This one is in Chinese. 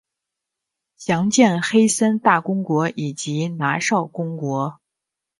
详见黑森大公国以及拿绍公国。